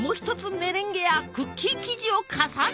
メレンゲやクッキー生地を重ね焼き！